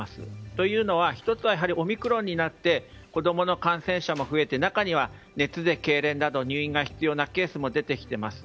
というのは、１つはやはりオミクロンになって子供の感染者も増えて中には熱でけいれんなど入院が必要なケースも出ています。